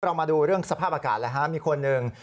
เรามาดูเรื่องสภาพอากาศแล้วฮะมีคนหนึ่ง